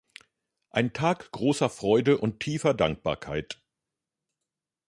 Ein Tag großer Freude und tiefer Dankbarkeit.